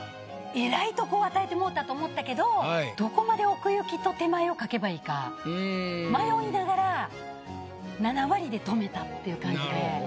えらいとこ与えてもうたと思ったけどどこまで奥行きと手前を描けばいいか迷いながら７割で止めたっていう感じで。